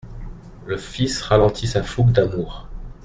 Le fils ralentit sa fougue d'amour.